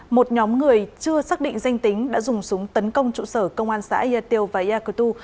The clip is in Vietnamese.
một nhóm người chưa xác định danh tính đã dùng súng tấn công trụ sở công an xã yatio và yakutu